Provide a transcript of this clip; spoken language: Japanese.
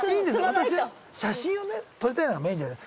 私は写真を撮るのがメインじゃない